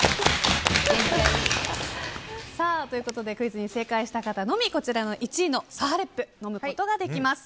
クイズに正解した方のみこちらの１位のサハレップ飲むことができます。